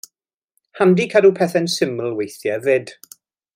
Handi cadw pethe'n syml weithiau 'fyd!